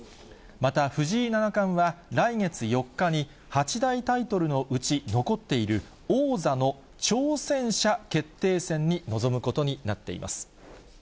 また、藤井七冠は、来月４日に、八大タイトルのうち残っている王座の挑戦者決定戦に臨むことになっています。